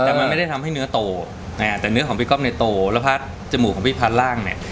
แต่มันไม่ได้ทำให้เนื้อโตแต่เนื้อของพี่ก๊อฟในโตแล้วพัดจมูกของพี่พัดล่างเนี่ย